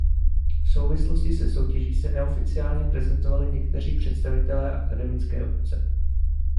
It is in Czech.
V souvislosti se soutěží se neoficiálně prezentovali někteří představitelé akademické obce.